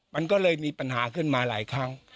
มันก็เลยมีปัญหาขึ้นมาหลายครั้ง